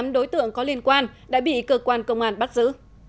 tám đối tượng có liên quan đã bị cơ quan công an bắt giữ